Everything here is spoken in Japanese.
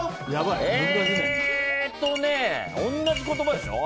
えっとね、同じ言葉でしょ。